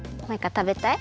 たべたい！